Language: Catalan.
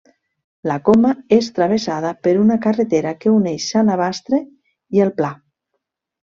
La coma és travessada per una carretera que uneix Sanavastre i El Pla.